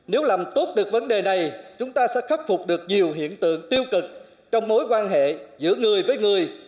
nếu làm tốt được vấn đề này chúng ta sẽ khắc phục được nhiều hiện tượng tiêu cực trong mối quan hệ giữa người với người